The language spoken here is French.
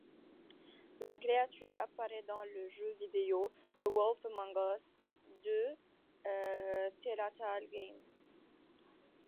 La créature apparaît dans le jeu-vidéo The Wolf Among Us de Telltale game.